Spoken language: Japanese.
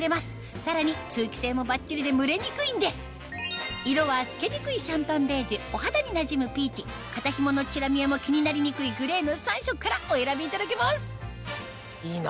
さらに通気性もバッチリで蒸れにくいんです色は透けにくいシャンパンベージュお肌になじむピーチ肩ひものチラ見えも気になりにくいグレーの３色からお選びいただけますいいな。